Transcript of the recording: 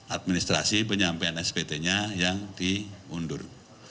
administrasi penyampaian spt nya yang diundur